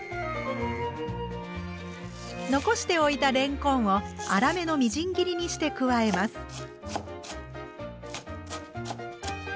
残しておいたれんこんを粗めのみじん切りにして加えます。